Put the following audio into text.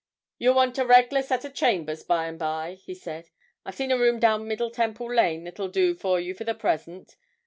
'You'll want a regler set o' chambers by and by,' he said; 'I've seen a room down Middle Temple Lane that'll do for you for the present.